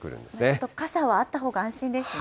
ちょっと傘はあったほうが安心ですね。